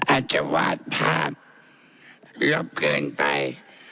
อาจจะวาดภาพลวบเกินไป